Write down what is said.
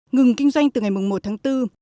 ngừng kinh doanh từ ngày một tháng bốn